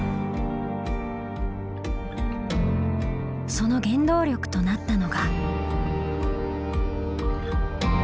その原動力となったのが。